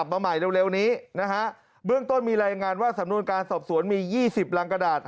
เบื้องต้นมีรายงานว่าสำนวนการสอบสวนมี๒๐ล้างกระดาษ